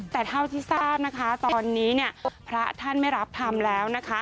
แต่เท่าที่ทราบนะคะตอนนี้พระท่านไม่รับทำแล้ว